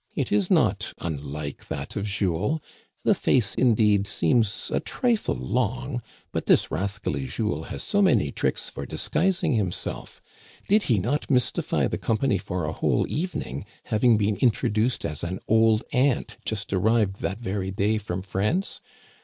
It is not unlike that of Jules. The face, indeed, seems a trifle long, but this rascally Jules has so many tricks for disguising himself ! Did he not mystify the company for a whole evening, having been introduced as an old aunt just arrived that very day from France